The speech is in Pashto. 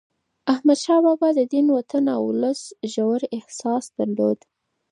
احمدشاه بابا د دین، وطن او ولس ژور احساس درلود.